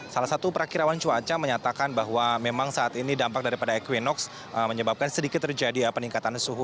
salah satu perakirawan cuaca menyatakan bahwa memang saat ini dampak daripada equinox menyebabkan sedikit terjadi peningkatan suhu